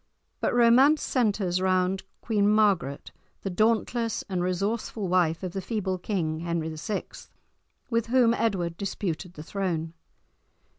But romance centres round Queen Margaret, the dauntless and resourceful wife of the feeble King Henry VI., with whom Edward disputed the throne.